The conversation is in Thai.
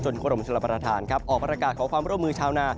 จนกรมชลบรฐานออกประกาศของความร่วมมือชาวนา